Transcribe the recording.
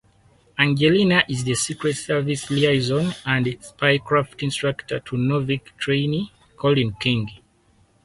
Angelina is the secret service liaison and spycraft instructor to novice trainee Colin King.